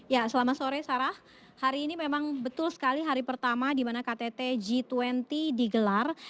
ya selama sore sarah hari ini memang betul sekali hari pertama di mana ktt g dua puluh digelar